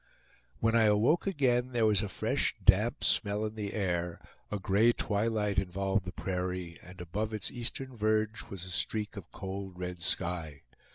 When I awoke again there was a fresh damp smell in the air, a gray twilight involved the prairie, and above its eastern verge was a streak of cold red sky.